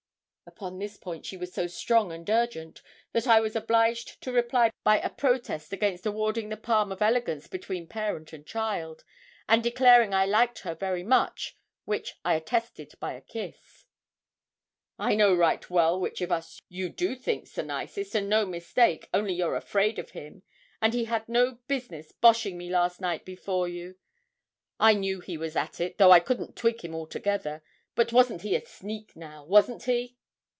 Upon this point she was so strong and urgent that I was obliged to reply by a protest against awarding the palm of elegance between parent and child, and declaring I liked her very much, which I attested by a kiss. 'I know right well which of us you do think's the nicest, and no mistake, only you're afraid of him; and he had no business boshing me last night before you. I knew he was at it, though I couldn't twig him altogether; but wasn't he a sneak, now, wasn't he?'